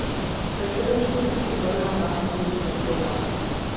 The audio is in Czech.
Každoročně se tu koná bahenní festival.